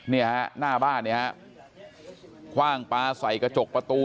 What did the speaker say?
เนี่ยฮะหน้าบ้านเนี่ยฮะคว่างปลาใส่กระจกประตู